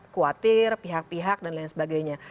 khawatir pihak pihak dan lain sebagainya